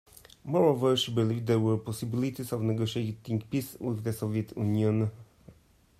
Moreover, she believed there were possibilities of negotiating peace with the Soviet Union.